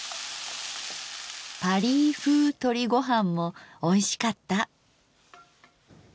パリーふうとりごはんもおいしかった。